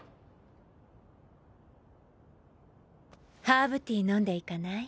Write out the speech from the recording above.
ハーブティー飲んでいかない？